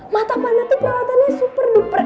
mata panda tuh perawatannya super duper